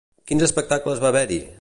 Quins espectacles va haver-hi?